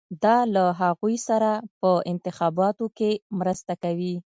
دا له هغوی سره په انتخاباتو کې مرسته کوي.